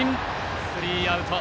スリーアウト！